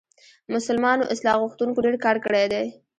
مسلمانو اصلاح غوښتونکو ډېر کار کړی دی.